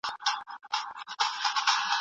استاد شاګرد ته د موضوع په اړه نوي لیدلوري ورکړل.